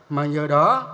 mà nhờ đó